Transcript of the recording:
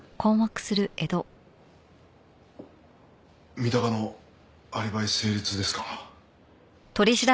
三鷹のアリバイ成立ですか。